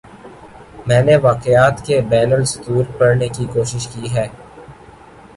میں نے واقعات کے بین السطور پڑھنے کی کوشش کی ہے۔